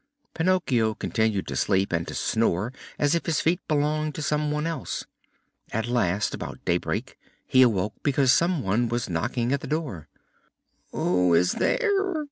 Pinocchio continued to sleep and to snore as if his feet belonged to some one else. At last about daybreak he awoke because some one was knocking at the door. "Who is there?"